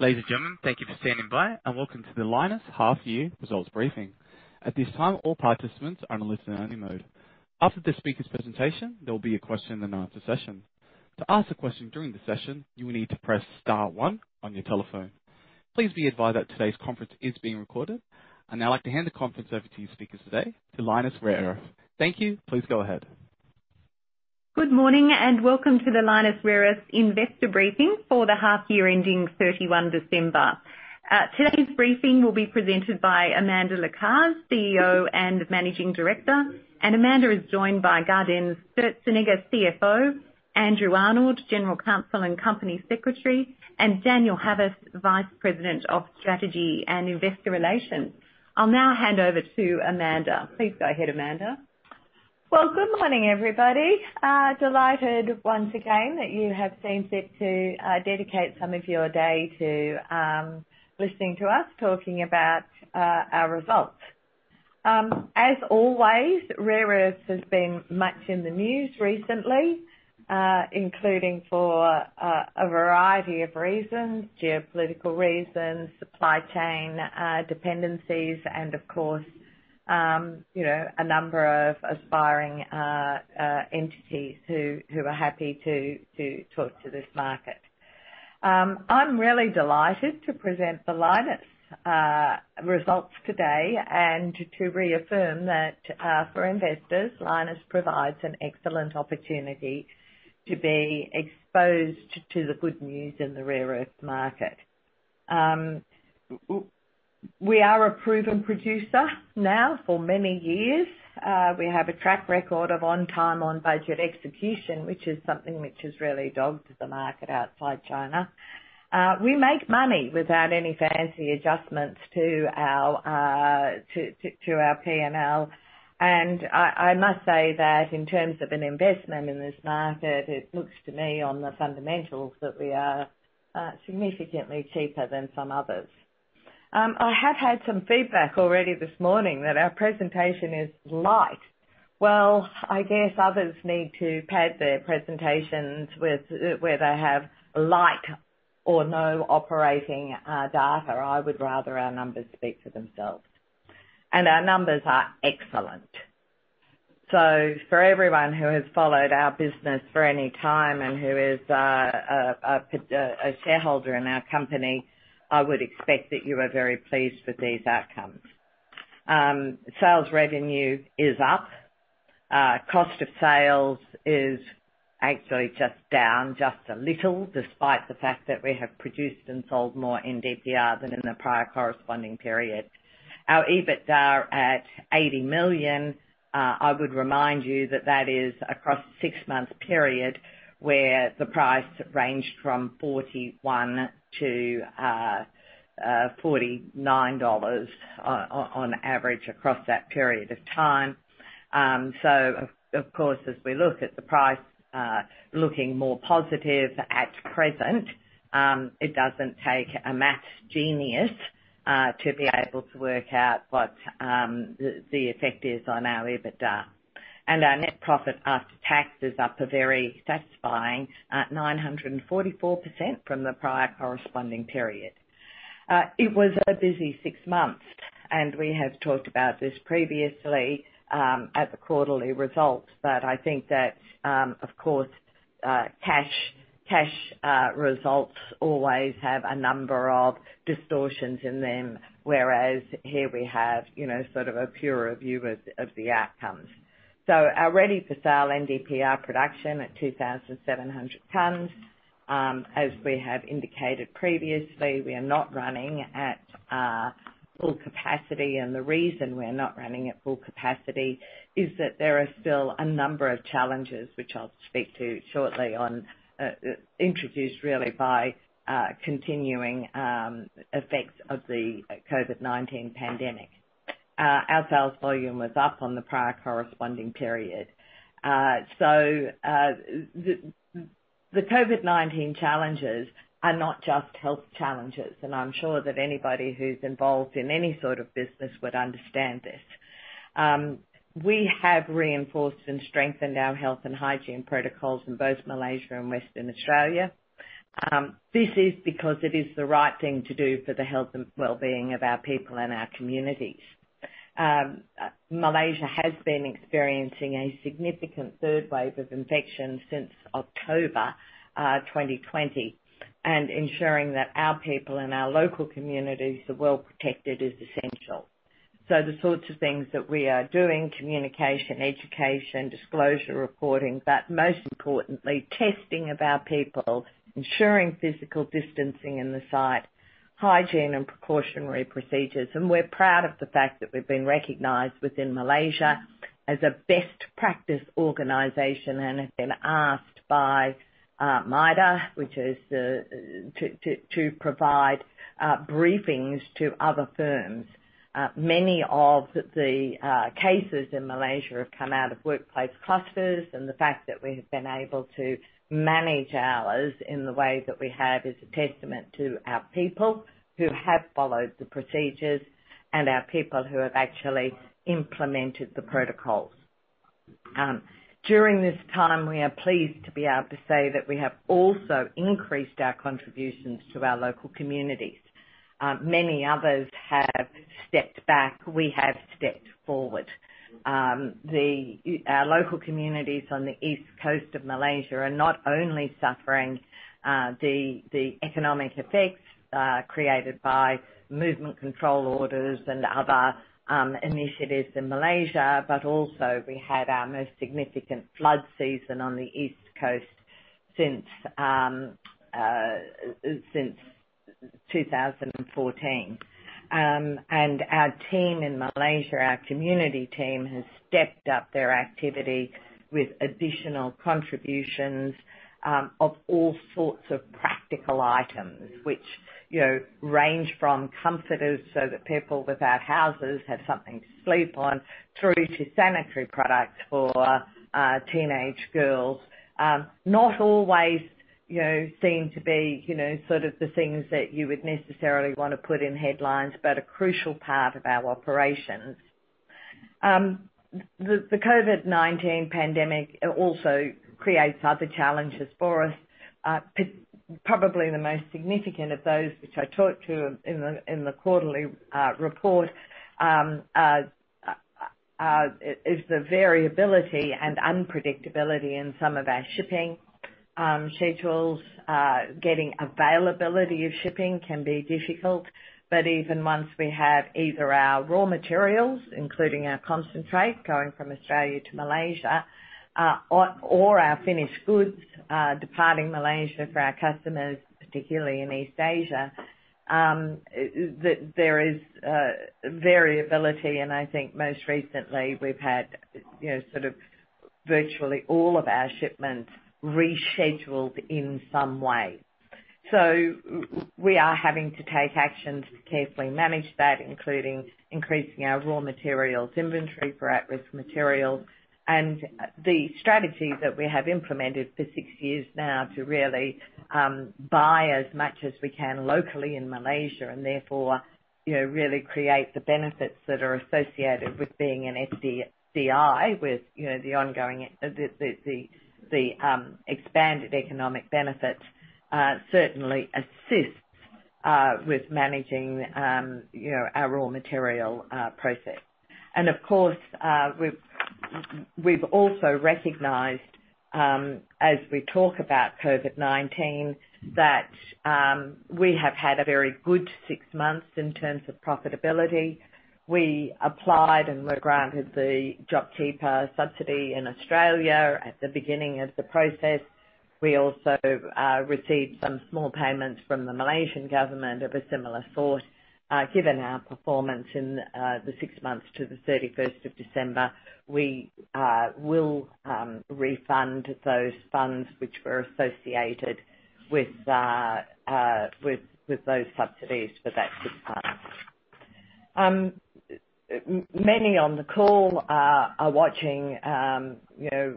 Ladies and gentlemen, thank you for standing by, and welcome to the Lynas half-year results briefing. At this time, all participants are in a listen-only mode. After the speaker's presentation, there will be a question-and-answer session. To ask a question during the session, you will need to press star one on your telephone. Please be advised that today's conference is being recorded. I'd now like to hand the conference over to your speakers today, to Lynas Rare Earths. Thank you. Please go ahead. Good morning, and welcome to the Lynas Rare Earths investor briefing for the half year ending 31 December. Today's briefing will be presented by Amanda Lacaze, CEO and Managing Director, and Amanda is joined by Gaudenz Sturzenegger, CFO, Andrew Arnold, General Counsel and Company Secretary, and Daniel Havas, Vice President of Strategy and Investor Relations. I'll now hand over to Amanda. Please go ahead, Amanda. Well, good morning, everybody. Delighted once again that you have seen fit to dedicate some of your day to listening to us talking about our results. As always, Rare Earths has been much in the news recently, including for a variety of reasons, geopolitical reasons, supply chain dependencies, and of course, you know, a number of aspiring entities who are happy to talk to this market. I'm really delighted to present the Lynas results today and to reaffirm that for investors, Lynas provides an excellent opportunity to be exposed to the good news in the rare earth market. We are a proven producer now for many years. We have a track record of on time, on budget execution, which is something which has really dogged the market outside China. We make money without any fancy adjustments to our P&L. I must say that in terms of an investment in this market, it looks to me on the fundamentals that we are significantly cheaper than some others. I have had some feedback already this morning that our presentation is light. Well, I guess others need to pad their presentations with where they have light or no operating data. I would rather our numbers speak for themselves. Our numbers are excellent. So for everyone who has followed our business for any time and who is a shareholder in our company, I would expect that you are very pleased with these outcomes. Sales revenue is up. Cost of sales is actually just down, just a little, despite the fact that we have produced and sold more NdPr than in the prior corresponding period. Our EBITDA are at 80 million. I would remind you that that is across a six-month period where the price ranged from 41 to 49 dollars on average across that period of time. So of course, as we look at the price looking more positive at present, it doesn't take a math genius to be able to work out what the effect is on our EBITDA. And our net profit after tax is up a very satisfying 944% from the prior corresponding period. It was a busy six months, and we have talked about this previously at the quarterly results. But I think that, of course, cash results always have a number of distortions in them, whereas here we have, you know, sort of a purer view of the outcomes. So our ready-for-sale NdPr production at 2,700 tons. As we have indicated previously, we are not running at full capacity, and the reason we're not running at full capacity is that there are still a number of challenges, which I'll speak to shortly on, introduced really by continuing effects of the COVID-19 pandemic. Our sales volume was up on the prior corresponding period. So the COVID-19 challenges are not just health challenges, and I'm sure that anybody who's involved in any sort of business would understand this. We have reinforced and strengthened our health and hygiene protocols in both Malaysia and Western Australia. This is because it is the right thing to do for the health and well-being of our people and our communities. Malaysia has been experiencing a significant third wave of infections since October 2020, and ensuring that our people and our local communities are well protected is essential. So the sorts of things that we are doing, communication, education, disclosure reporting, but most importantly, testing of our people, ensuring physical distancing in the site, hygiene and precautionary procedures. And we're proud of the fact that we've been recognized within Malaysia as a best practice organization and have been asked by MIDA to provide briefings to other firms. Many of the cases in Malaysia have come out of workplace clusters, and the fact that we have been able to manage ours in the way that we have is a testament to our people who have followed the procedures and our people who have actually implemented the protocols. During this time, we are pleased to be able to say that we have also increased our contributions to our local communities. Many others have stepped back. We have stepped forward. Our local communities on the east coast of Malaysia are not only suffering the economic effects created by movement control orders and other initiatives in Malaysia, but also we had our most significant flood season on the East Coast since 2014. Our team in Malaysia, our community team, has stepped up their activity with additional contributions of all sorts of practical items, which, you know, range from comforters so that people without houses have something to sleep on, through to sanitary products for teenage girls. Not always, you know, seem to be, you know, sort of the things that you would necessarily want to put in headlines, but a crucial part of our operations. The COVID-19 pandemic also creates other challenges for us. Probably the most significant of those, which I talked to in the quarterly report, is the variability and unpredictability in some of our shipping schedules. Getting availability of shipping can be difficult, but even once we have either our raw materials, including our concentrate, going from Australia to Malaysia, or our finished goods, departing Malaysia for our customers, particularly in East Asia, there is variability, and I think most recently we've had, you know, sort of virtually all of our shipments rescheduled in some way. So we are having to take actions to carefully manage that, including increasing our raw materials inventory for at-risk materials and the strategy that we have implemented for six years now, to really buy as much as we can locally in Malaysia and therefore, you know, really create the benefits that are associated with being an SDCI, with you know the ongoing, the expanded economic benefits certainly assists with managing you know our raw material process. And of course, we've also recognized as we talk about COVID-19 that we have had a very good six months in terms of profitability. We applied and were granted the JobKeeper subsidy in Australia at the beginning of the process. We also received some small payments from the Malaysian government of a similar sort. Given our performance in the six months to the 31st of December, we will refund those funds which were associated with those subsidies for that six months. Many on the call are watching, you know,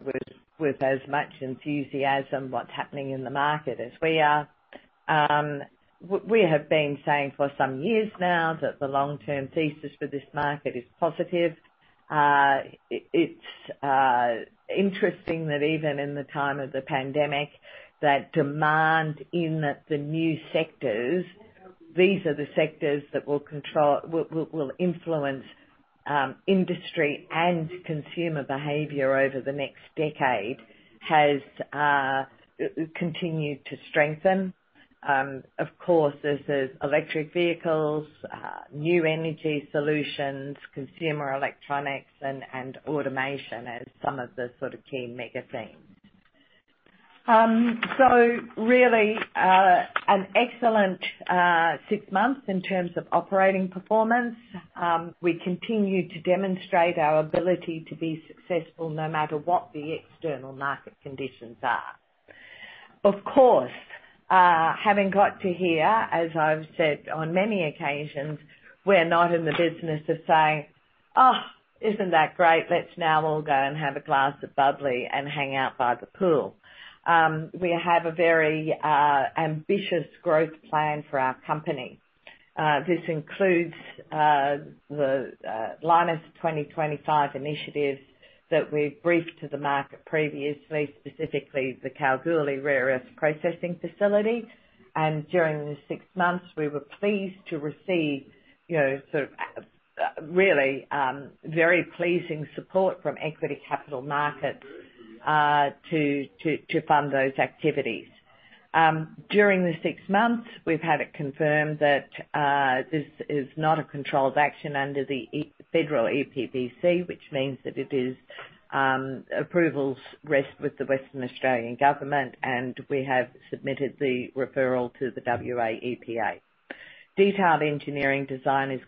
with as much enthusiasm, what's happening in the market as we are. We have been saying for some years now that the long-term thesis for this market is positive. It's interesting that even in the time of the pandemic, that demand in the new sectors, these are the sectors that will influence industry and consumer behavior over the next decade, has continued to strengthen. Of course, this is electric vehicles, new energy solutions, consumer electronics and automation as some of the sort of key mega themes. So really, an excellent six months in terms of operating performance. We continue to demonstrate our ability to be successful, no matter what the external market conditions are. Of course, having got to here, as I've said on many occasions, we're not in the business of saying, "Oh, isn't that great? Let's now all go and have a glass of bubbly and hang out by the pool." We have a very ambitious growth plan for our company. This includes the Lynas 2025 initiative that we briefed to the market previously, specifically the Kalgoorlie Rare Earths Processing Facility. And during the six months, we were pleased to receive, you know, sort of really very pleasing support from equity capital markets to fund those activities. During the six months, we've had it confirmed that this is not a controlled action under the federal EPBC, which means that approvals rest with the Western Australian government, and we have submitted the referral to the WA EPA. Detailed engineering design is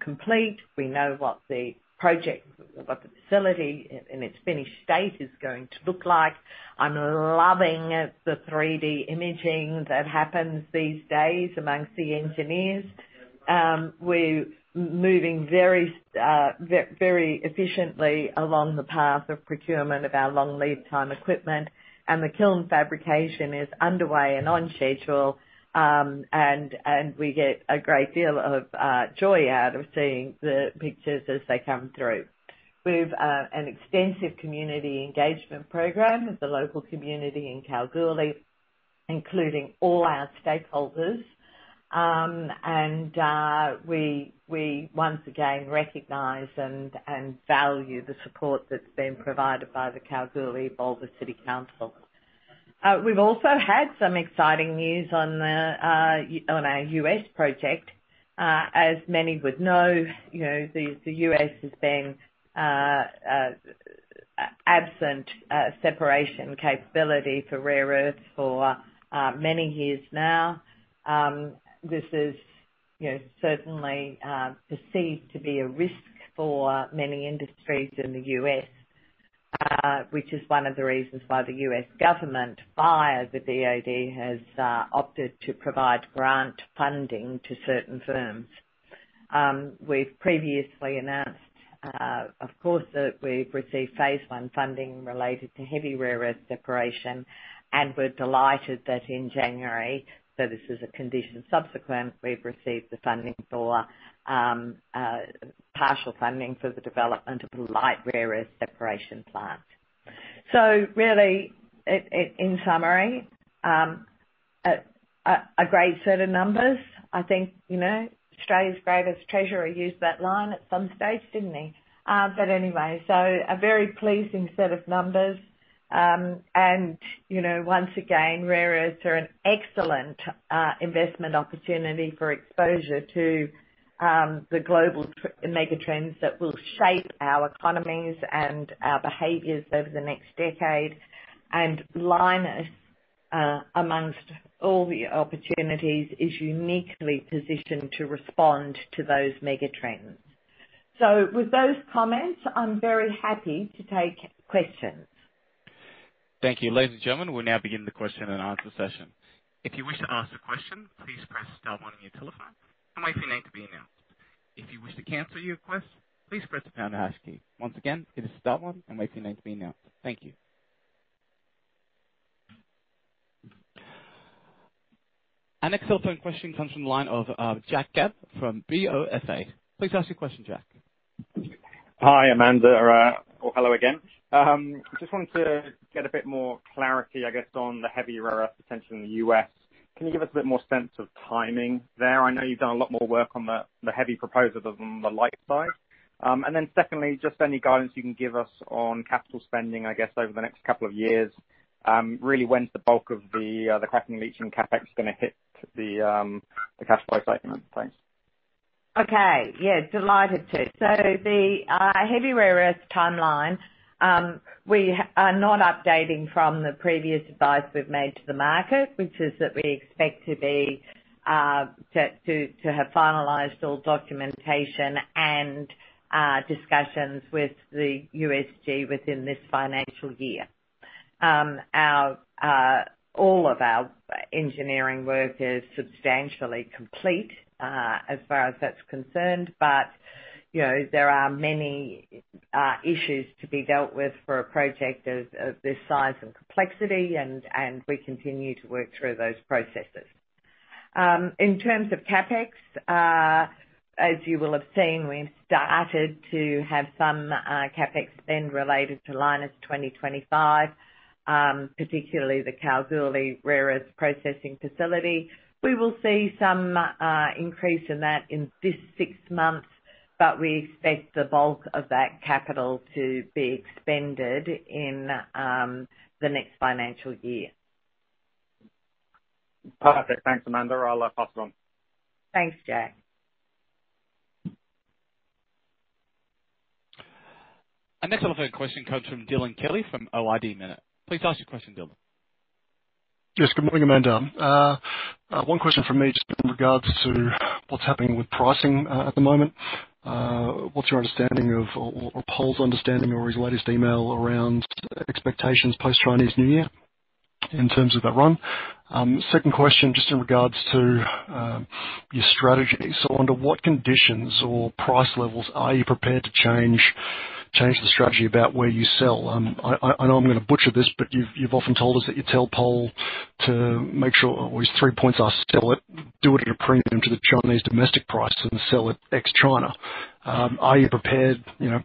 complete. We know what the project, what the facility in its finished state is going to look like. I'm loving the 3D imaging that happens these days among the engineers. We're moving very efficiently along the path of procurement of our long lead time equipment, and the kiln fabrication is underway and on schedule. And we get a great deal of joy out of seeing the pictures as they come through. We've an extensive community engagement program with the local community in Kalgoorlie, including all our stakeholders. We once again recognize and value the support that's been provided by the Kalgoorlie-Boulder City Council. We've also had some exciting news on our U.S. project. As many would know, you know, the U.S. has been absent separation capability for rare earths for many years now. This is, you know, certainly perceived to be a risk for many industries in the U.S., which is one of the reasons why the US government, via the DOD, has opted to provide grant funding to certain firms. We've previously announced, of course, that we've received phase I funding related to heavy rare earth separation, and we're delighted that in January, so this is a condition subsequent, we've received the funding for, partial funding for the development of a light rare earth separation plant. So really, in summary, a great set of numbers. I think, you know, Australia's greatest treasurer used that line at some stage, didn't he? But anyway, so a very pleasing set of numbers. And, you know, once again, rare earths are an excellent investment opportunity for exposure to the global mega trends that will shape our economies and our behaviors over the next decade. And Lynas, amongst all the opportunities, is uniquely positioned to respond to those mega trends. So with those comments, I'm very happy to take questions. Thank you. Ladies and gentlemen, we'll now begin the question-and-answer session. If you wish to ask a question, please press star one on your telephone and wait for your name to be announced. If you wish to cancel your request, please press the pound or hash key. Once again, it is star one and wait for your name to be announced. Thank you. Our next telephone question comes from the line of Jack Gabb from BofA. Please ask your question, Jack. Hi, Amanda, well, hello again. Just wanted to get a bit more clarity, I guess, on the heavy rare earth potential in the U.S. Can you give us a bit more sense of timing there? I know you've done a lot more work on the heavy proposal than the light side. And then secondly, just any guidance you can give us on capital spending, I guess, over the next couple of years. Really, when's the bulk of the cracking leaching CapEx gonna hit the cash flow statement? Thanks. Okay. Yeah, delighted to. So the heavy rare earth timeline, we are not updating from the previous advice we've made to the market, which is that we expect to have finalized all documentation and discussions with the USG within this financial year. Our all of our engineering work is substantially complete, as far as that's concerned, but, you know, there are many issues to be dealt with for a project of this size and complexity, and we continue to work through those processes. In terms of CapEx, as you will have seen, we've started to have some CapEx spend related to Lynas 2025, particularly the Kalgoorlie Rare Earths Processing Facility. We will see some increase in that in this six months, but we expect the bulk of that capital to be expended in the next financial year. Perfect. Thanks, Amanda. I'll pass it on. Thanks, Jack. Our next telephone question comes from Dylan Kelly from Ord Minnett. Please ask your question, Dylan. Yes. Good morning, Amanda. One question from me just in regards to what's happening with pricing at the moment. What's your understanding of or Pol's understanding or his latest email around expectations post-Chinese New Year in terms of that run? Second question, just in regards to your strategy. So under what conditions or price levels are you prepared to change the strategy about where you sell? I know I'm gonna butcher this, but you've often told us that you tell Pol to make sure all these three points are: sell it, do it at a premium to the Chinese domestic price, and sell it ex-China. Are you prepared, you know,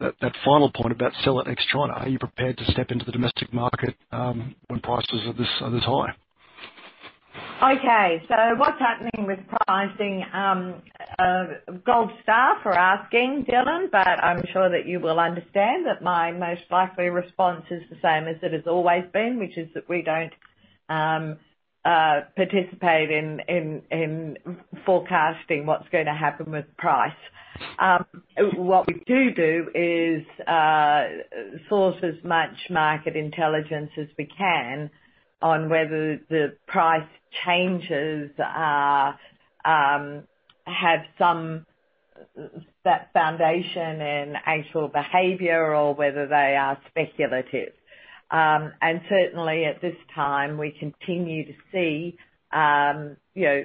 that final point about sell it ex-China, are you prepared to step into the domestic market when prices are this high? Okay. So what's happening with pricing, gold star for asking, Dylan, but I'm sure that you will understand that my most likely response is the same as it has always been, which is that we don't participate in forecasting what's gonna happen with price. What we do do is source as much market intelligence as we can on whether the price changes are have some that foundation and actual behavior or whether they are speculative. And certainly, at this time, we continue to see you know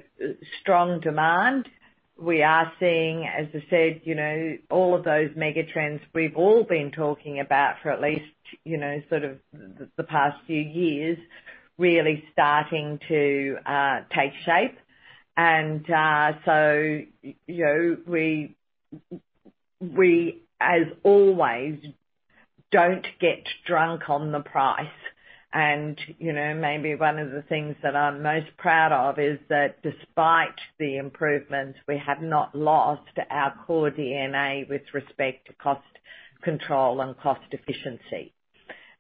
strong demand. We are seeing, as I said, you know, all of those mega trends we've all been talking about for at least you know sort of the past few years, really starting to take shape. And so you know we as always don't get drunk on the price. You know, maybe one of the things that I'm most proud of is that despite the improvements, we have not lost our core DNA with respect to cost control and cost efficiency.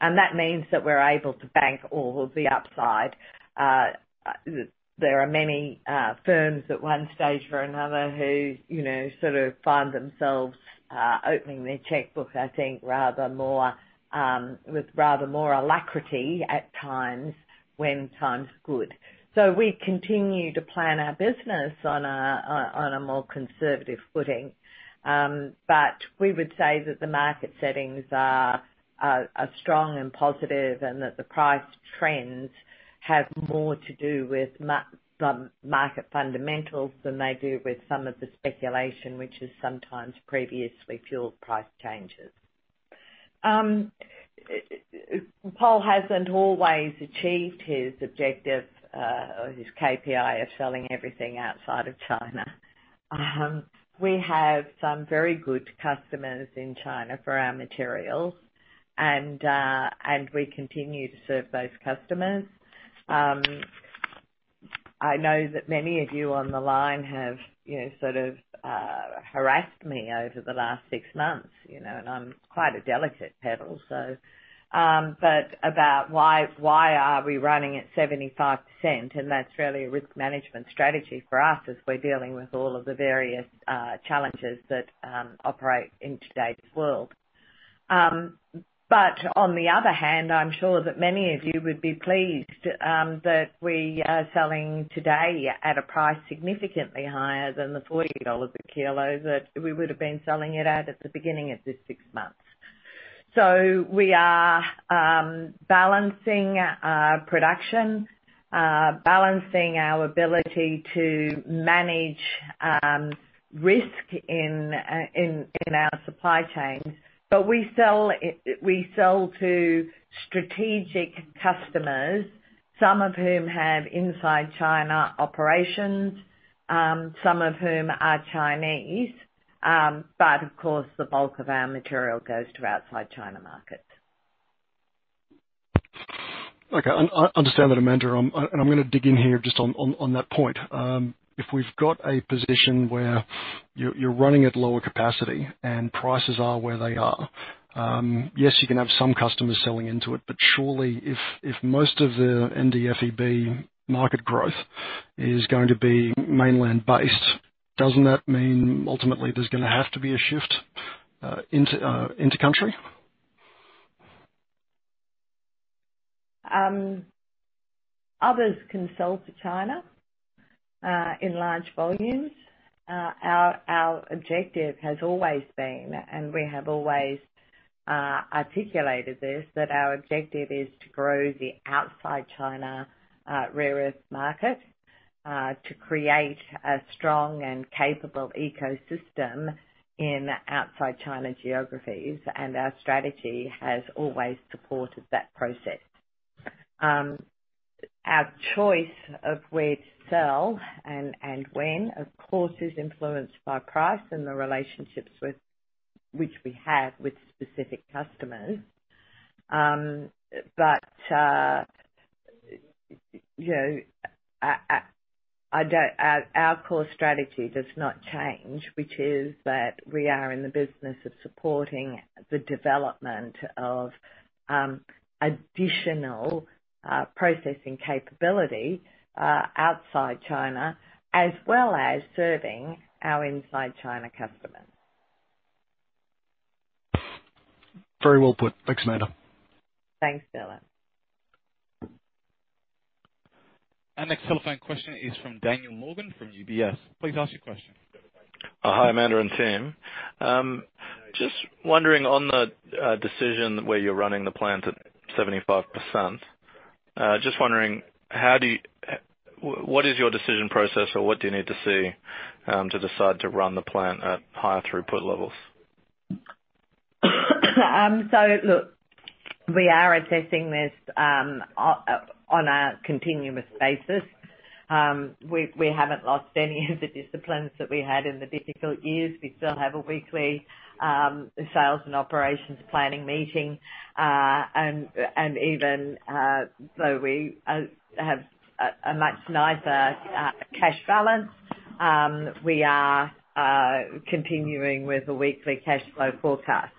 And that means that we're able to bank all of the upside. There are many firms at one stage or another who, you know, sort of find themselves opening their checkbook, I think, rather more with rather more alacrity at times when times are good. So we continue to plan our business on a more conservative footing. But we would say that the market settings are strong and positive, and that the price trends have more to do with some market fundamentals than they do with some of the speculation, which is sometimes previously fueled price changes. Pol hasn't always achieved his objective, or his KPI of selling everything outside of China. We have some very good customers in China for our materials, and, and we continue to serve those customers. I know that many of you on the line have, you know, sort of, harassed me over the last six months, you know, and I'm quite a delicate petal, so. But about why, why are we running at 75%? And that's really a risk management strategy for us as we're dealing with all of the various, challenges that, operate in today's world. But on the other hand, I'm sure that many of you would be pleased that we are selling today at a price significantly higher than the 40 dollars a kilo that we would have been selling it at the beginning of this six months. So we are balancing our production, balancing our ability to manage risk in our supply chains. But we sell, we sell to strategic customers, some of whom have inside China operations, some of whom are Chinese. But of course, the bulk of our material goes to outside China markets. Okay, I understand that, Amanda, and I'm going to dig in here just on that point. If we've got a position where you're running at lower capacity and prices are where they are, yes, you can have some customers selling into it, but surely, if most of the NdFeB market growth is going to be mainland-based, doesn't that mean ultimately there's going to have to be a shift into country? Others can sell to China, in large volumes. Our objective has always been, and we have always articulated this, that our objective is to grow the outside China rare earth market, to create a strong and capable ecosystem in outside China geographies, and our strategy has always supported that process. Our choice of where to sell and when, of course, is influenced by price and the relationships with which we have with specific customers. But, you know, I don't, our core strategy does not change, which is that we are in the business of supporting the development of additional processing capability outside China, as well as serving our inside China customers. Very well put. Thanks, Amanda. Thanks, Dylan. Our next telephone question is from Daniel Morgan, from UBS. Please ask your question. Hi, Amanda and team. Just wondering on the decision where you're running the plant at 75%, just wondering, how do you, what is your decision process or what do you need to see to decide to run the plant at higher throughput levels? So look, we are assessing this on a continuous basis. We haven't lost any of the disciplines that we had in the difficult years. We still have a weekly sales and operations planning meeting. And even though we have a much nicer cash balance, we are continuing with a weekly cash flow forecast.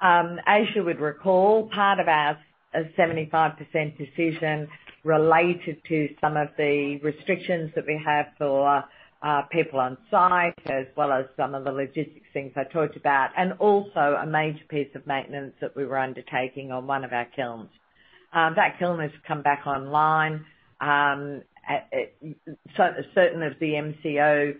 As you would recall, part of our 75% decision related to some of the restrictions that we have for people on site, as well as some of the logistics things I talked about, and also a major piece of maintenance that we were undertaking on one of our kilns. That kiln has come back online. So certain of the MCO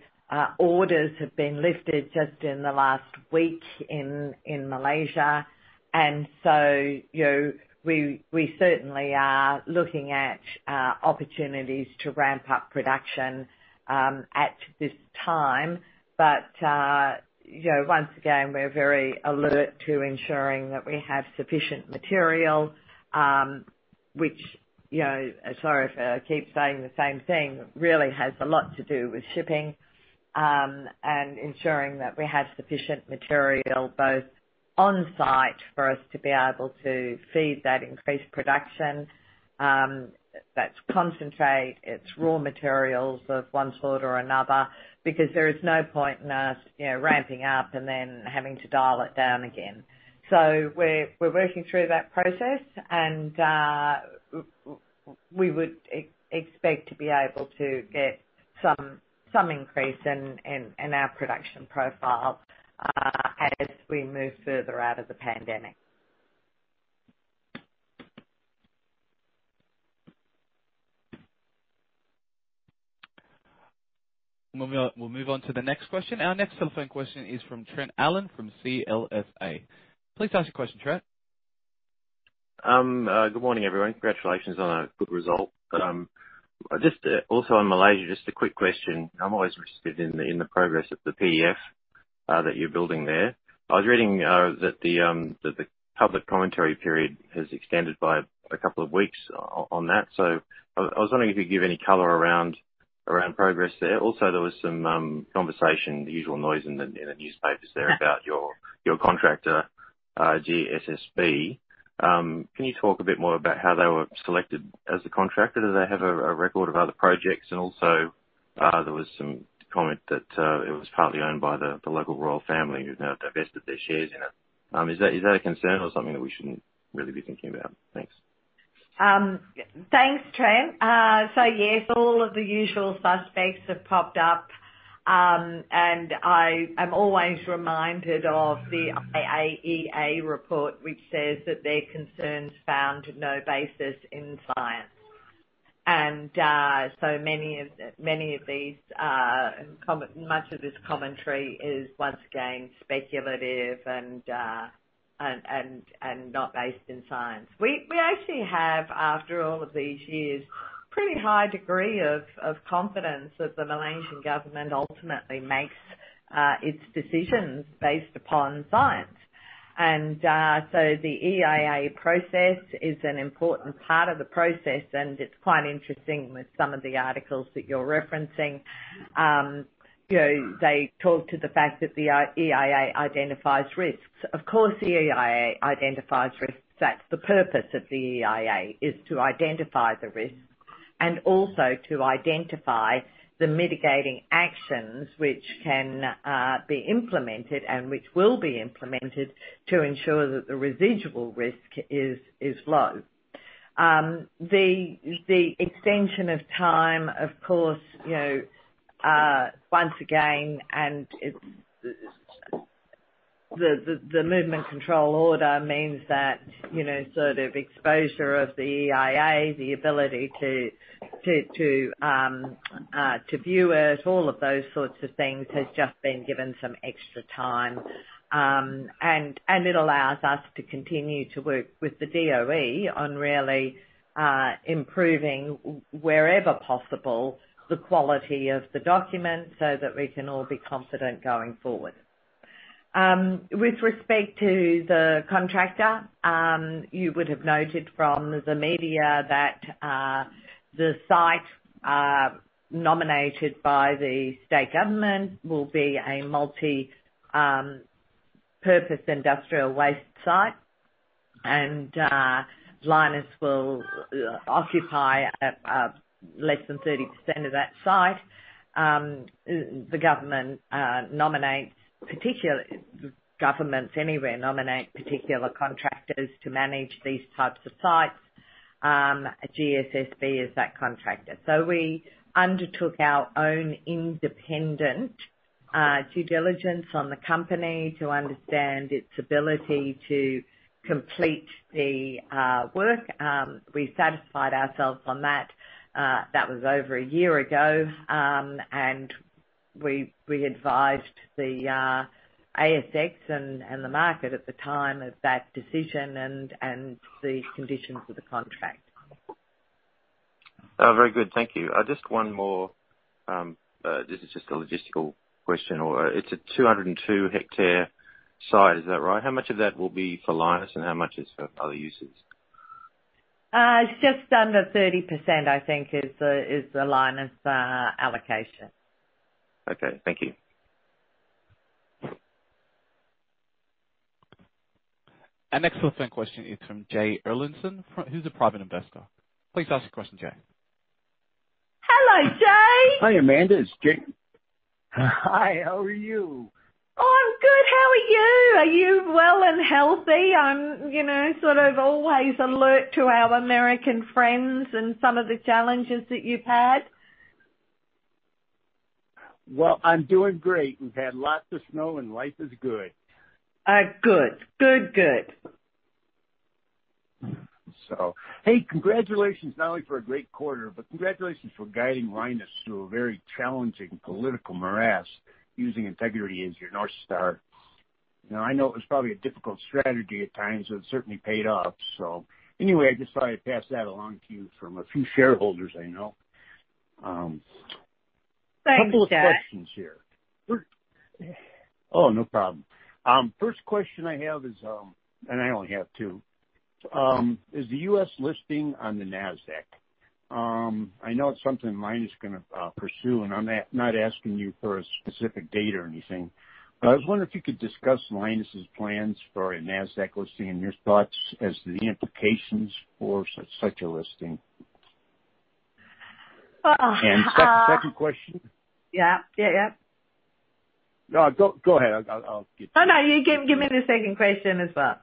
orders have been lifted just in the last week in Malaysia. And so, you know, we certainly are looking at opportunities to ramp up production at this time. But, you know, once again, we're very alert to ensuring that we have sufficient material, which, you know, sorry if I keep saying the same thing, really has a lot to do with shipping, and ensuring that we have sufficient material both on site for us to be able to feed that increased production. That's concentrate, it's raw materials of one sort or another, because there is no point in us, you know, ramping up and then having to dial it down again. So we're working through that process, and we would expect to be able to get some increase in our production profile as we move further out of the pandemic. We'll, we'll move on to the next question. Our next telephone question is from Trent Allen from CLSA. Please ask your question, Trent. Good morning, everyone. Congratulations on a good result. But, just, also on Malaysia, just a quick question. I'm always interested in the, in the progress of the PDF, that you're building there. I was reading, that the public commentary period has extended by a couple of weeks on that. So I was wondering if you could give any color around progress there. Also, there was some conversation, the usual noise in the newspapers there about your contractor, GSSB. Can you talk a bit more about how they were selected as the contractor? Do they have a record of other projects? And also, there was some comment that it was partly owned by the local royal family who've now divested their shares in it. Is that, is that a concern or something that we shouldn't really be thinking about? Thanks. Thanks, Trent. So yes, all of the usual suspects have popped up. I am always reminded of the IAEA report, which says that their concerns found no basis in science. So many of these, much of this commentary is, once again, speculative and not based in science. We actually have, after all of these years, pretty high degree of confidence that the Malaysian government ultimately makes its decisions based upon science. So the EIA process is an important part of the process, and it's quite interesting with some of the articles that you're referencing. You know, they talk to the fact that the EIA identifies risks. Of course, the EIA identifies risks. That's the purpose of the EIA, is to identify the risks and also to identify the mitigating actions which can be implemented and which will be implemented to ensure that the residual risk is low. The extension of time, of course, you know, once again, and it's the movement control order means that, you know, sort of exposure of the EIA, the ability to view it, all of those sorts of things, has just been given some extra time. And it allows us to continue to work with the DOE on really improving wherever possible, the quality of the document so that we can all be confident going forward. With respect to the contractor, you would have noted from the media that the site nominated by the state government will be a multi-purpose industrial waste site. Lynas will occupy a less than 30% of that site. The government nominates particular contractors to manage these types of sites. Governments anywhere nominate particular contractors to manage these types of sites. GSSB is that contractor. So we undertook our own independent due diligence on the company to understand its ability to complete the work. We satisfied ourselves on that. That was over a year ago, and we advised the ASX and the market at the time of that decision and the conditions of the contract. Very good. Thank you. Just one more. This is just a logistical question, or it's a 202-hectare site, is that right? How much of that will be for Lynas, and how much is for other uses? It's just under 30%, I think, is the, is the Lynas allocation. Okay, thank you. Our next telephone question is from Jay Ellingson, who's a private investor. Please ask your question, Jay. Hello, Jay. Hi, Amanda, it's Jay. Hi, how are you? I'm good. How are you? Are you well and healthy? I'm, you know, sort of always alert to our American friends and some of the challenges that you've had. Well, I'm doing great. We've had lots of snow, and life is good. Good. Good, good. So, hey, congratulations, not only for a great quarter, but congratulations for guiding Lynas through a very challenging political morass using integrity as your North Star. Now, I know it was probably a difficult strategy at times, but it certainly paid off. So anyway, I just thought I'd pass that along to you from a few shareholders I know. Couple of questions here. Oh, no problem. First question I have is, and I only have two, is the U.S. listing on the Nasdaq. I know it's something Lynas is gonna pursue, and I'm not, not asking you for a specific date or anything, but I was wondering if you could discuss Lynas's plans for a Nasdaq listing and your thoughts as to the implications for such a listing. Uh. Second question. Yeah. Yeah, yeah. No, go, go ahead. I'll, I'll get to it. No, no, you give me the second question as well.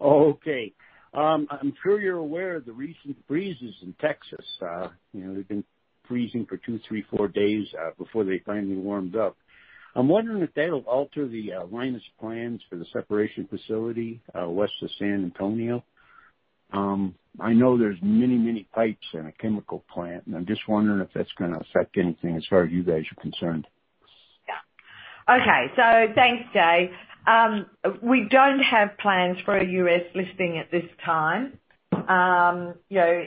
Okay. I'm sure you're aware of the recent freezes in Texas. You know, they've been freezing for 2, 3, 4 days, before they finally warmed up. I'm wondering if that'll alter the, Lynas plans for the separation facility, west of San Antonio. I know there's many, many pipes in a chemical plant, and I'm just wondering if that's gonna affect anything as far as you guys are concerned. Yeah. Okay. So thanks, Jay. We don't have plans for a U.S. listing at this time. You know,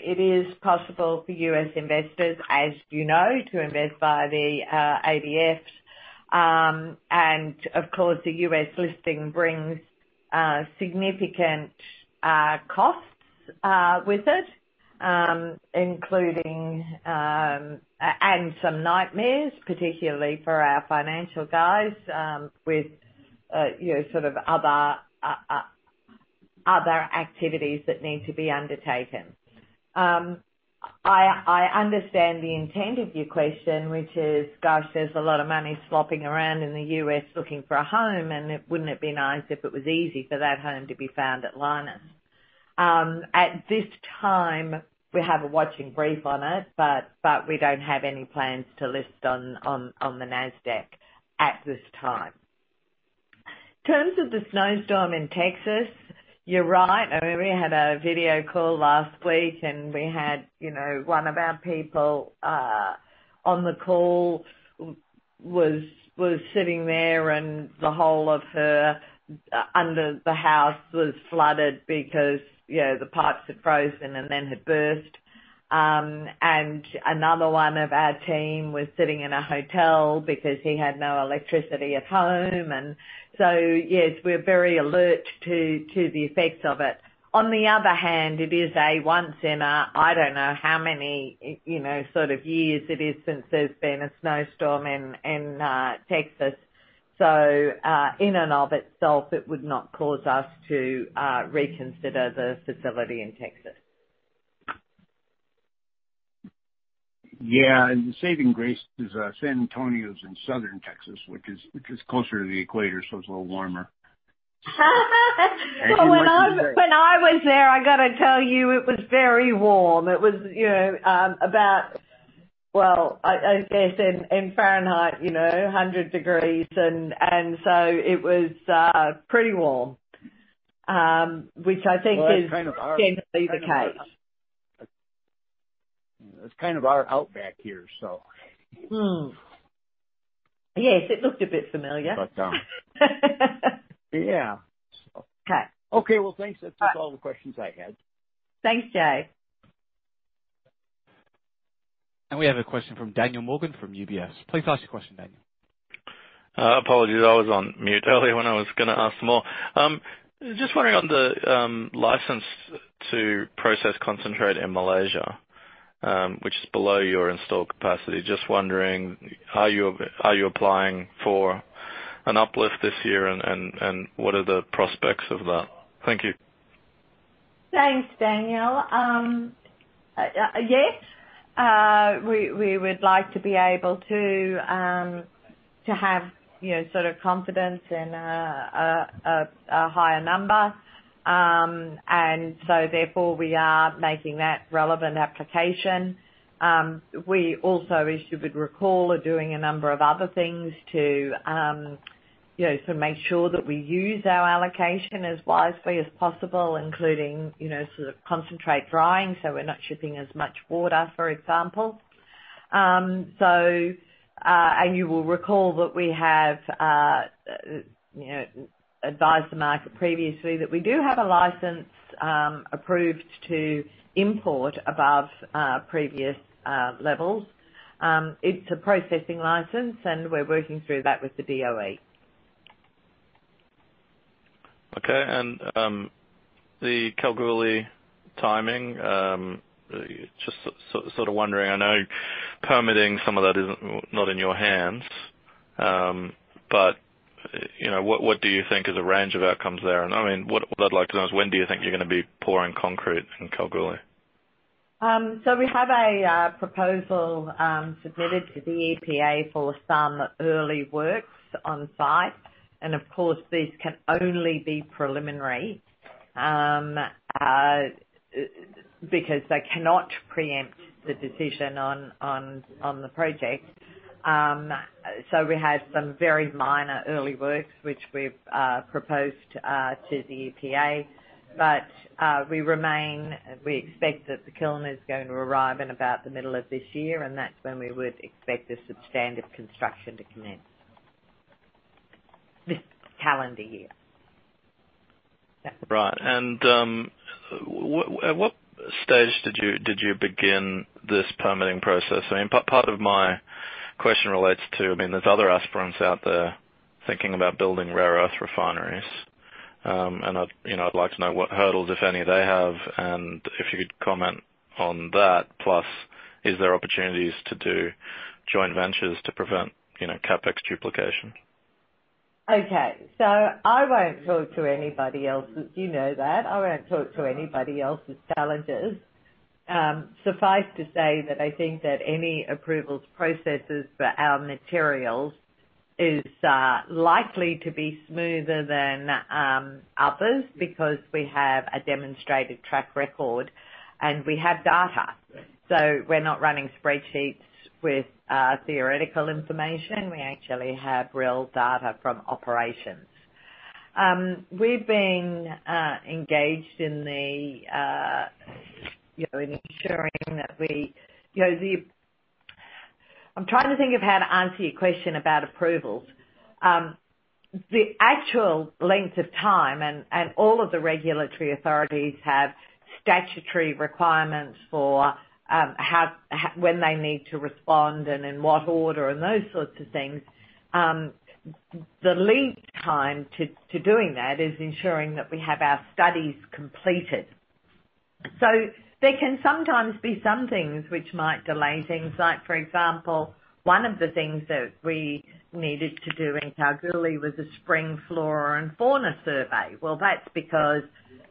it is possible for U.S. investors, as you know, to invest via the, ADRs. And of course, the U.S. listing brings, significant, costs, with it, including, and some nightmares, particularly for our financial guys, with, you know, sort of other, other activities that need to be undertaken. I understand the intent of your question, which is, gosh, there's a lot of money slopping around in the U.S. looking for a home, and wouldn't it be nice if it was easy for that home to be found at Lynas? At this time, we have a watching brief on it, but we don't have any plans to list on, on the Nasdaq at this time. In terms of the snowstorm in Texas, you're right. I mean, we had a video call last week, and we had, you know, one of our people on the call was sitting there and the whole of her under the house was flooded because, you know, the pipes had frozen and then had burst. And another one of our team was sitting in a hotel because he had no electricity at home. And so, yes, we're very alert to the effects of it. On the other hand, it is a once in a I don't know how many you know sort of years it is since there's been a snowstorm in Texas. So, in and of itself, it would not cause us to reconsider the facility in Texas. Yeah, and the saving grace is, San Antonio is in southern Texas, which is closer to the equator, so it's a little warmer. Well, when I was there, I gotta tell you, it was very warm. It was, you know, about, well, I guess in Fahrenheit, you know, 100 degrees. And so it was pretty warm, which I think is- Well, it's kind of our- Generally the case. It's kind of our outback here, so. Hmm. Yes, it looked a bit familiar. But, yeah. Okay. Okay, well, thanks. That's all the questions I had. Thanks, Jay. We have a question from Daniel Morgan, from UBS. Please ask your question, Daniel. Apologies, I was on mute earlier when I was gonna ask more. Just wondering on the license to process concentrate in Malaysia, which is below your installed capacity. Just wondering, are you applying for an uplift this year, and what are the prospects of that? Thank you. Thanks, Daniel. Yes, we would like to be able to have, you know, sort of confidence in a higher number. And so therefore we are making that relevant application. We also, as you would recall, are doing a number of other things to, you know, to make sure that we use our allocation as wisely as possible, including, you know, sort of concentrate drying, so we're not shipping as much water, for example. So, and you will recall that we have, you know, advised the market previously that we do have a license approved to import above previous levels. It's a processing license, and we're working through that with the DOE. Okay. The Kalgoorlie timing, just sort of wondering, I know permitting some of that is not in your hands, but, you know, what, what do you think is a range of outcomes there? And I mean, what I'd like to know is when do you think you're going to be pouring concrete in Kalgoorlie? So we have a proposal submitted to the EPA for some early works on site. Of course, these can only be preliminary because they cannot preempt the decision on the project. So we have some very minor early works, which we've proposed to the EPA, but we expect that the kiln is going to arrive in about the middle of this year, and that's when we would expect the substantial construction to commence this calendar year. Right. And at what stage did you begin this permitting process? I mean, part of my question relates to, I mean, there's other aspirants out there thinking about building rare earth refineries. And I've, you know, I'd like to know what hurdles, if any, they have, and if you could comment on that. Plus, is there opportunities to do joint ventures to prevent, you know, CapEx duplication? Okay. So I won't talk to anybody else's, you know that. I won't talk to anybody else's challenges. Suffice to say that I think that any approvals processes for our materials is likely to be smoother than others because we have a demonstrated track record, and we have data. So we're not running spreadsheets with theoretical information. We actually have real data from operations. We've been engaged in the, you know, in ensuring that we, you know, the, I'm trying to think of how to answer your question about approvals. The actual length of time, and, and all of the regulatory authorities have statutory requirements for how, when they need to respond and in what order and those sorts of things. The lead time to doing that is ensuring that we have our studies completed. So there can sometimes be some things which might delay things. Like, for example, one of the things that we needed to do in Kalgoorlie was a spring flora and fauna survey. Well, that's because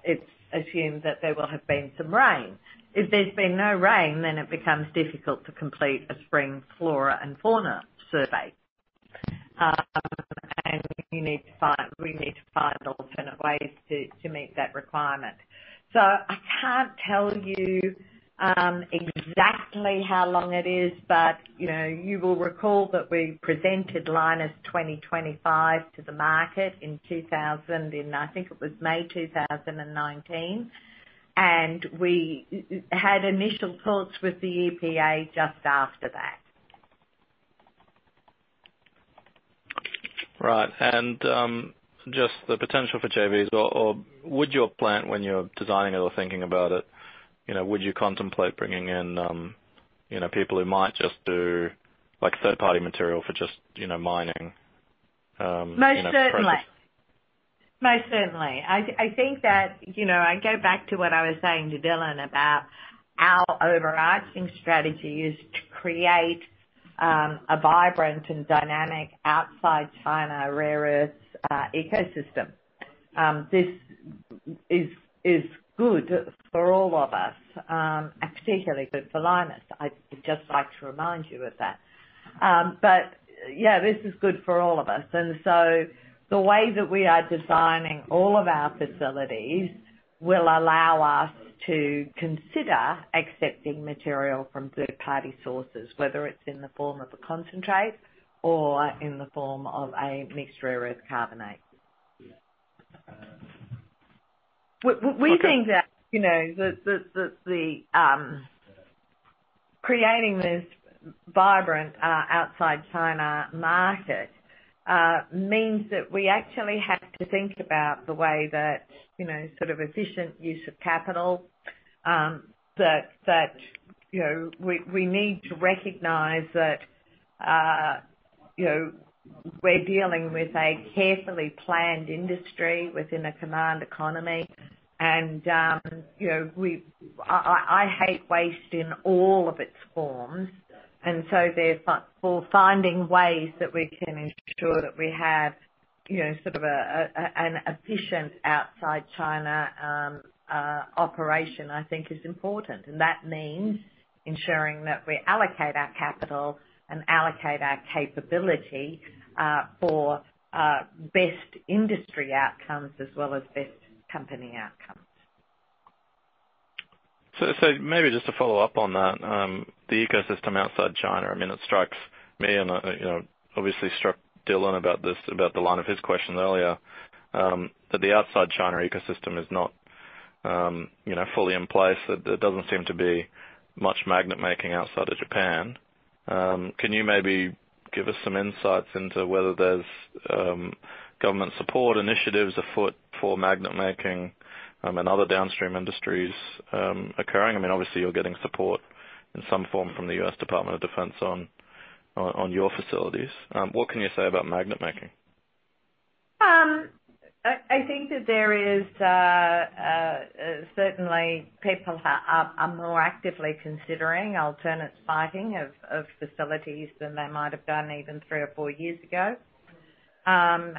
it's assumed that there will have been some rain. If there's been no rain, then it becomes difficult to complete a spring flora and fauna survey. And you need to find we need to find alternate ways to meet that requirement. So I can't tell you exactly how long it is, but, you know, you will recall that we presented Lynas 2025 to the market in 2019, and I think it was May 2019, and we had initial talks with the EPA just after that. Right. And just the potential for JVs, or would your plant, when you're designing it or thinking about it, you know, would you contemplate bringing in, you know, people who might just do, like, third-party material for just, you know, mining, you know, process. Most certainly. Most certainly. I think that, you know, I go back to what I was saying to Dylan about our overarching strategy is to create a vibrant and dynamic outside China rare earth ecosystem. This is good for all of us, and particularly good for Lynas. I'd just like to remind you of that. But yeah, this is good for all of us. And so the way that we are designing all of our facilities will allow us to consider accepting material from third-party sources, whether it's in the form of a concentrate or in the form of a mixed rare earth carbonate. We think that, you know, that the creating this vibrant outside China market means that we actually have to think about the way that, you know, sort of efficient use of capital that you know we need to recognize that, you know, we're dealing with a carefully planned industry within a command economy. And, you know, I hate waste in all of its forms, and so therefore finding ways that we can ensure that we have, you know, sort of an efficient outside China operation, I think is important. And that means ensuring that we allocate our capital and allocate our capability for best industry outcomes as well as best company outcomes. So, maybe just to follow up on that, the ecosystem outside China, I mean, it strikes me and, you know, obviously struck Dylan about this, about the line of his question earlier, that the outside China ecosystem is not, you know, fully in place. There doesn't seem to be much magnet-making outside of Japan. Can you maybe give us some insights into whether there's government support initiatives afoot for magnet-making and other downstream industries occurring? I mean, obviously, you're getting support in some form from the U.S. Department of Defense on your facilities. What can you say about magnet-making? I think that there is certainly people are more actively considering alternate siting of facilities than they might have done even three or four years ago. I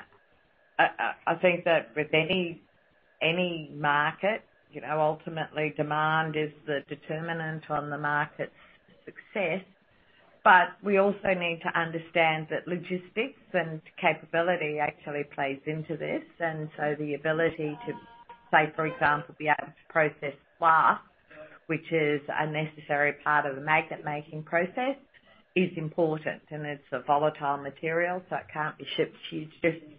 think that with any market, you know, ultimately demand is the determinant on the market's success. But we also need to understand that logistics and capability actually plays into this. And so the ability to, say, for example, be able to process glass, which is a necessary part of the magnet-making process, is important, and it's a volatile material, so it can't be shipped huge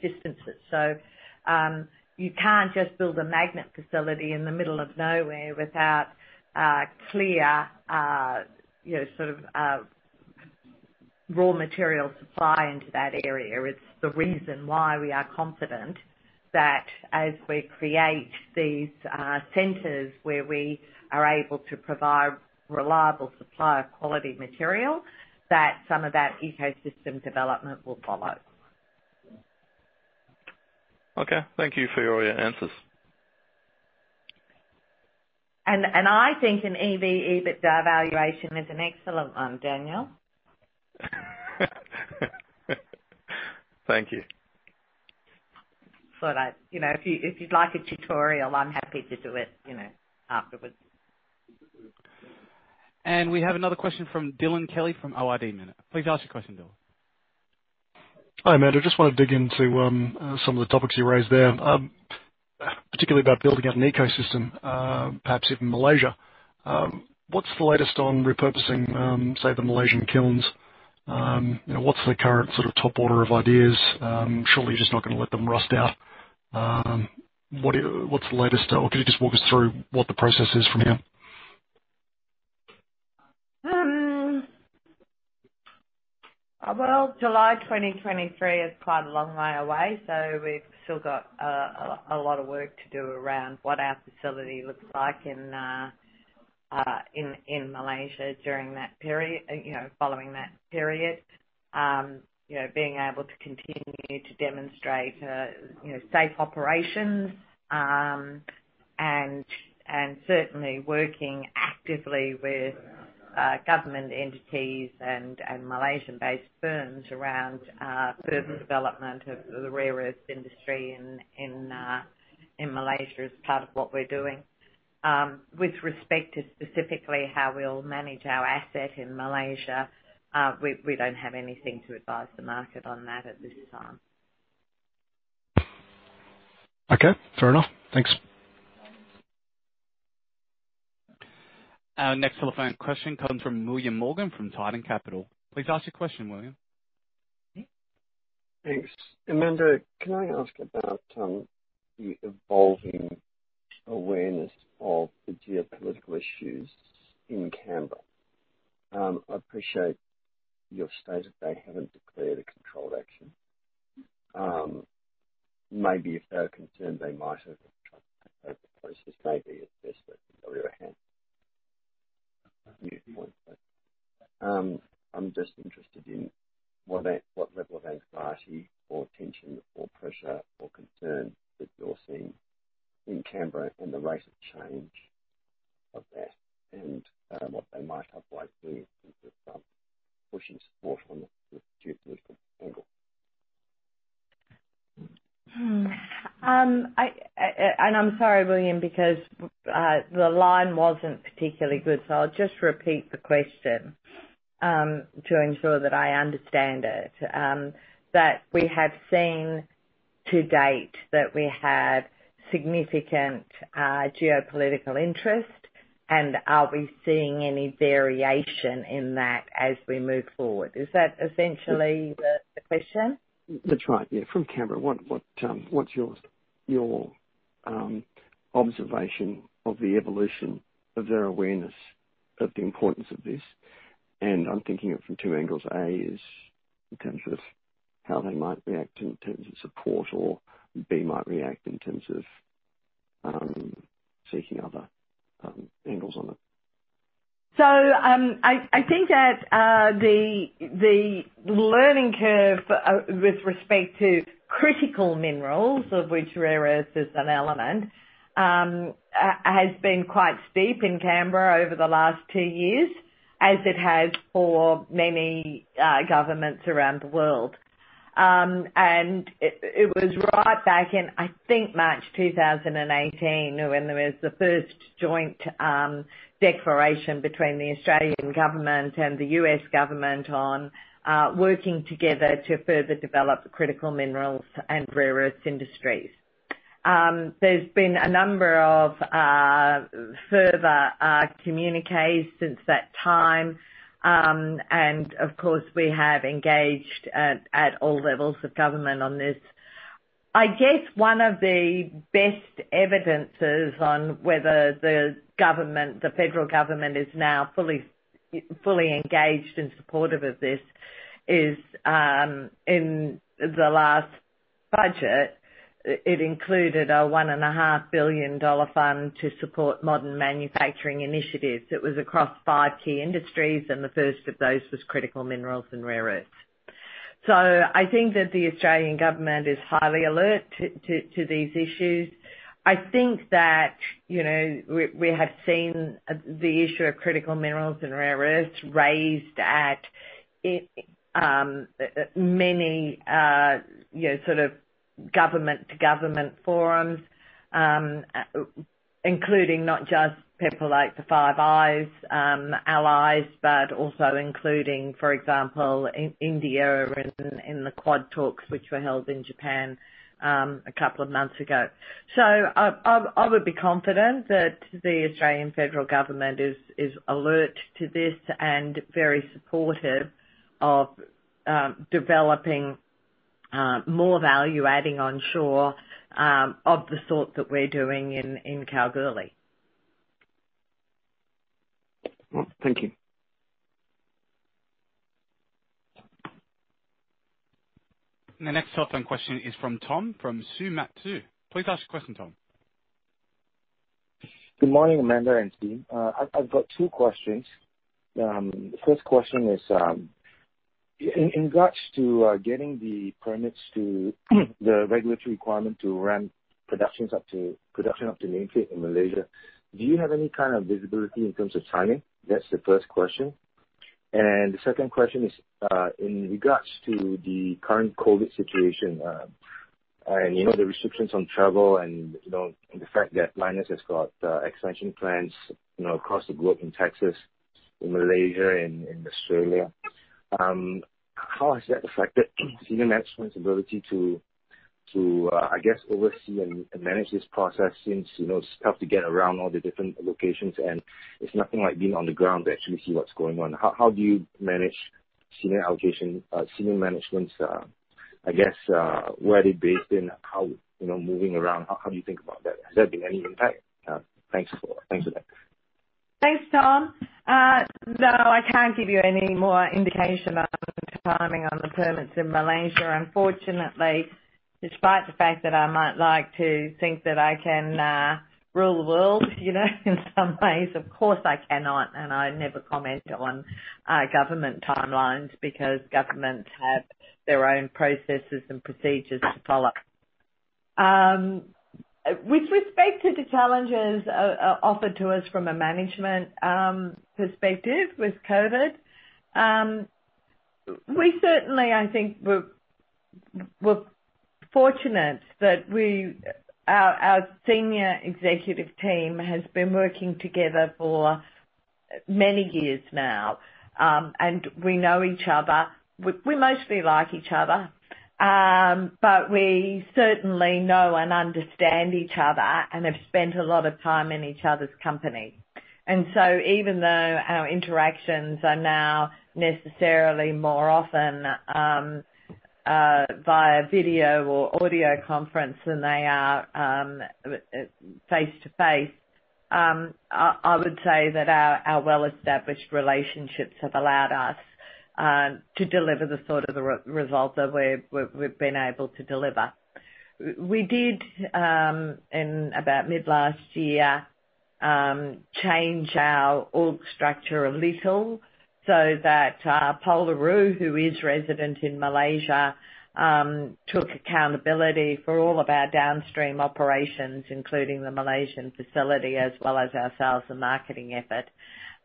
distances. You can't just build a magnet facility in the middle of nowhere without clear, you know, sort of raw material supply into that area. It's the reason why we are confident that as we create these centers, where we are able to provide reliable supply of quality material, that some of that ecosystem development will follow. Okay. Thank you for all your answers. And I think an EV EBITDA valuation is an excellent one, Daniel. Thank you. So that, you know, if you, if you'd like a tutorial, I'm happy to do it, you know, afterwards. We have another question from Dylan Kelly from Ord Minnett. Please ask your question, Dylan. Hi, Amanda. Just want to dig into some of the topics you raised there, particularly about building out an ecosystem, perhaps even Malaysia. What's the latest on repurposing, say, the Malaysian kilns? You know, what's the current sort of top order of ideas? Surely you're just not going to let them rust out. What's the latest, or can you just walk us through what the process is from here? Well, July 2023 is quite a long way away, so we've still got a lot of work to do around what our facility looks like in Malaysia during that period, you know, following that period. You know, being able to continue to demonstrate, you know, safe operations, and certainly working actively with government entities and Malaysian-based firms around further development of the rare earth industry in Malaysia, as part of what we're doing. With respect to specifically how we'll manage our asset in Malaysia, we don't have anything to advise the market on that at this time. Okay, fair enough. Thanks. Our next telephone question comes from William Morgan, from Titan Capital. Please ask your question, William. Thanks. Amanda, can I ask about the evolving awareness of the geopolitical issues in Canberra? I appreciate your state that they haven't declared a controlled action. Maybe if they are concerned, they might have, I'm just interested in what level of anxiety or tension or pressure or concern that you're seeing in Canberra and the rate of change of that, and what they might otherwise do, pushing support on the geopolitical angle. I'm sorry, William, because the line wasn't particularly good, so I'll just repeat the question to ensure that I understand it. That we have seen to date that we have significant geopolitical interest, and are we seeing any variation in that as we move forward? Is that essentially the question? That's right, yeah. From Canberra, what, what's your observation of the evolution of their awareness of the importance of this? And I'm thinking of it from two angles. A, is in terms of how they might react in terms of support, or B, might react in terms of, seeking other, angles on it. I think that the learning curve with respect to critical minerals, of which rare earths is an element, has been quite steep in Canberra over the last two years, as it has for many governments around the world. And it was right back in, I think, March 2018, when there was the first joint declaration between the Australian government and the U.S. government on working together to further develop critical minerals and rare earths industries. There's been a number of further communiques since that time. And of course, we have engaged at all levels of government on this. I guess one of the best evidences on whether the government, the federal government, is now fully, fully engaged and supportive of this is, in the last budget, it included a 1.5 billion dollar fund to support modern manufacturing initiatives. It was across five key industries, and the first of those was critical minerals and rare earths. So I think that the Australian government is highly alert to these issues. I think that, you know, we, we have seen the issue of critical minerals and rare earths raised at, many, you know, sort of government-to-government forums, including not just people like the Five Eyes allies, but also including, for example, in India in the Quad talks, which were held in Japan, a couple of months ago. I would be confident that the Australian federal government is alert to this and very supportive of developing more value-adding onshore of the sort that we're doing in Kalgoorlie. Well, thank you. The next telephone question is from Tom, from [Summatu]. Please ask your question, Tom. Good morning, Amanda and team. I've got two questions. The first question is, in regards to getting the permits to the regulatory requirement to ramp production up to nameplate in Malaysia, do you have any kind of visibility in terms of timing? That's the first question. And the second question is, in regards to the current COVID situation, and you know, the restrictions on travel and, you know, the fact that Lynas has got expansion plans, you know, across the globe in Texas, in Malaysia, and in Australia. How has that affected senior management's ability to, I guess, oversee and manage this process since, you know, it's tough to get around all the different locations, and it's nothing like being on the ground to actually see what's going on? How do you manage senior allocation, senior management's, I guess, where they're based and how, you know, moving around, how do you think about that? Has there been any impact? Thanks for that. Thanks, Tom. No, I can't give you any more indication on the timing on the permits in Malaysia. Unfortunately, despite the fact that I might like to think that I can rule the world, you know, in some ways, of course, I cannot, and I never comment on government timelines because governments have their own processes and procedures to follow. With respect to the challenges offered to us from a management perspective with COVID, we certainly, I think we're fortunate that our senior executive team has been working together for many years now, and we know each other. We mostly like each other. But we certainly know and understand each other and have spent a lot of time in each other's company. Even though our interactions are now necessarily more often via video or audio conference than they are face-to-face, I would say that our well-established relationships have allowed us to deliver the sort of results that we've been able to deliver. We did in about mid-last year change our org structure a little so that Pol Le Roux, who is resident in Malaysia, took accountability for all of our downstream operations, including the Malaysian facility, as well as our sales and marketing effort.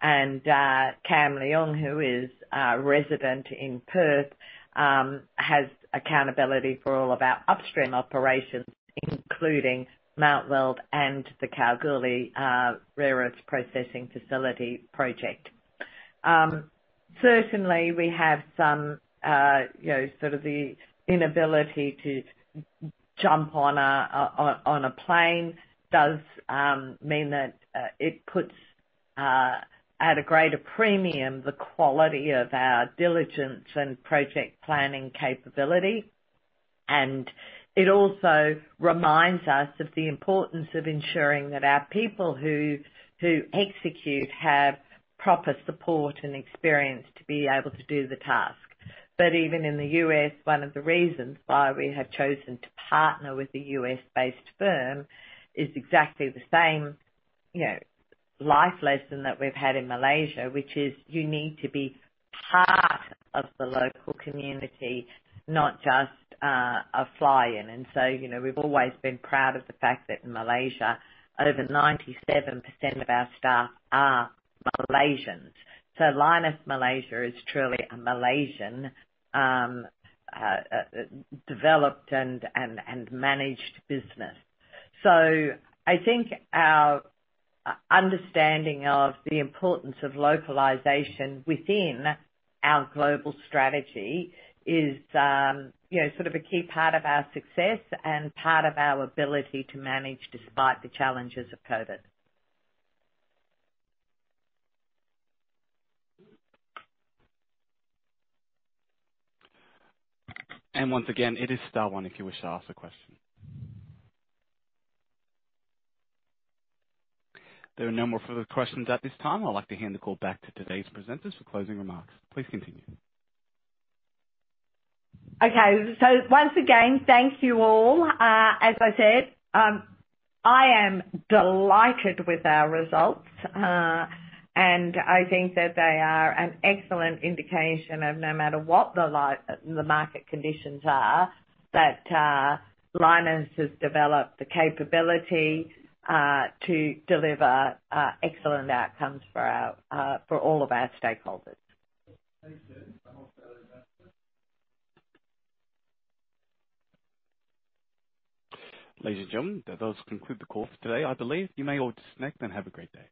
And Kam Leung, who is a resident in Perth, has accountability for all of our upstream operations, including Mount Weld and the Kalgoorlie Rare Earths Processing Facility project. Certainly we have some, you know, sort of the inability to jump on a plane does mean that it puts at a greater premium the quality of our diligence and project planning capability. And it also reminds us of the importance of ensuring that our people who execute have proper support and experience to be able to do the task. But even in the U.S., one of the reasons why we have chosen to partner with a U.S.-based firm is exactly the same, you know, life lesson that we've had in Malaysia, which is you need to be part of the local community, not just a fly-in. And so, you know, we've always been proud of the fact that in Malaysia, over 97% of our staff are Malaysians. So Lynas Malaysia is truly a Malaysian developed and managed business. So I think our understanding of the importance of localization within our global strategy is, you know, sort of a key part of our success and part of our ability to manage despite the challenges of COVID. Once again, it is star one if you wish to ask a question. There are no more further questions at this time. I'd like to hand the call back to today's presenters for closing remarks. Please continue. Okay. So once again, thank you all. As I said, I am delighted with our results, and I think that they are an excellent indication of no matter what the market conditions are, that Lynas has developed the capability to deliver excellent outcomes for all of our stakeholders. Ladies and gentlemen, that does conclude the call for today. I believe you may all disconnect and have a great day.